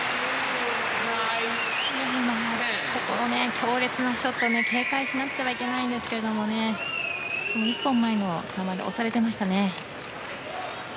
強烈なショット警戒しなくてはいけないんですがその１本前の球に押されてましたね。